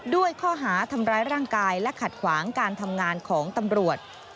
ด้วยข้อหาทำร้ายร่างกายและขัดขวางการทำงานของตำรวจ